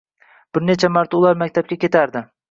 Bir necha marta ular maktabga ketardi.